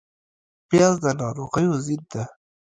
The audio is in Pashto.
پیاز د ناروغیو ضد ده